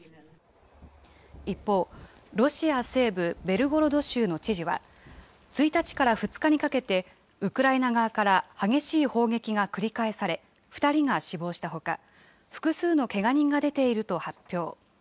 一方、ロシア西部ベルゴロド州の知事は、１日から２日にかけてウクライナ側から激しい砲撃が繰り返され、２人が死亡したほか、複数のけが人が出ていると発表。